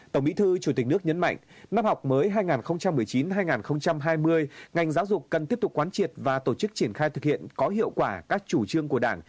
tổng bí thư chủ tịch nước nhấn mạnh năm học mới hai nghìn một mươi chín hai nghìn hai mươi ngành giáo dục cần tiếp tục quán triệt và tổ chức triển khai thực hiện có hiệu quả các chủ trương của đảng